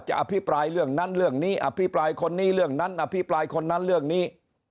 อภิปรายเรื่องนั้นเรื่องนี้อภิปรายคนนี้เรื่องนั้นอภิปรายคนนั้นเรื่องนี้